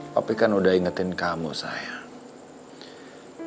tapi kan udah ingetin kamu saya